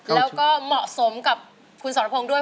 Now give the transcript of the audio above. และมอสมกับคุณสนโลภังด้วย